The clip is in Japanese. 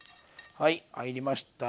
はい入りました。